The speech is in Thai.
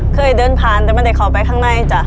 เคยเดินผ่านแต่ไม่ได้เข้าไปข้างในจ้ะ